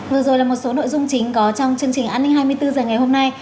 vừa rồi là một số nội dung chính có trong chương trình an ninh hai mươi bốn h ngày hôm nay